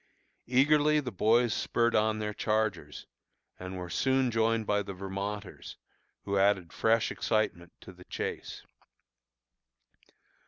Eagerly the boys spurred on their chargers, and were soon joined by the Vermonters, who added fresh excitement to the chase.